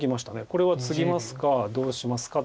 これはツギますかどうしますか？